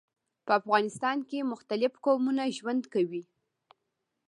په افغانستان کي مختلیف قومونه ژوند کوي.